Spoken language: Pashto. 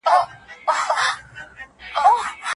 که ځواب په لاس ولیکل سي نو ریښتیني ښکاري.